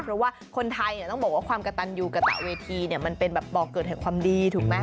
เพราะว่าคนไทยต้องบอกว่าความกระตันอยู่กระต่าเวทีมันเป็นบอกเกิดให้ความดีถูกไหม